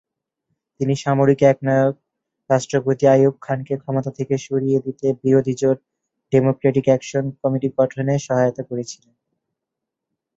তিনি সামরিক একনায়ক রাষ্ট্রপতি আইয়ুব খানকে ক্ষমতা থেকে সরিয়ে দিতে বিরোধী জোট ডেমোক্র্যাটিক অ্যাকশন কমিটি গঠনে সহায়তা করেছিলেন।